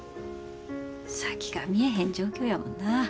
先が見えへん状況やもんな。